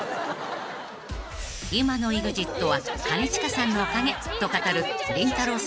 ［今のＥＸＩＴは兼近さんのおかげと語るりんたろー。